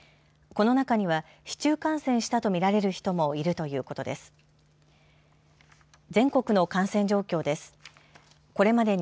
この中には市中感染したと見られる人もいるということです。